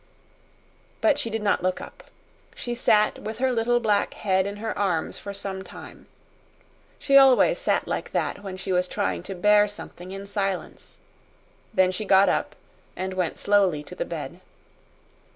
But she did not look up. She sat with her little black head in her arms for some time. She always sat like that when she was trying to bear something in silence. Then she got up and went slowly to the bed.